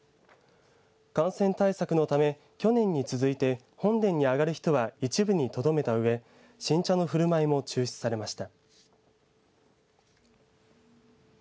感染対策のため、去年に続いて本殿に上がる人は一部にとどめたうえ新茶のふるまいも中止されました。